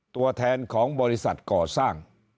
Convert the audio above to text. ตัวแทนของบริษัทก่อสร้าง